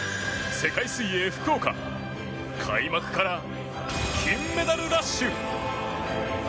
世界水泳福岡開幕から金メダルラッシュ！